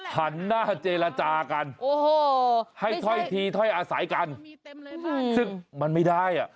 หันหน้าเจรจากันโอ้โหให้ถ้อยทีถ้อยอาศัยกันซึ่งมันไม่ได้อ่ะ